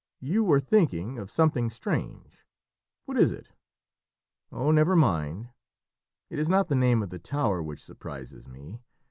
You are thinking of something strange. What is it?" "Oh, never mind! It is not the name of the tower which surprises me.